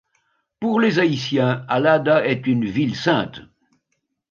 Pour les Haïtiens, Allada est une Ville Sainte.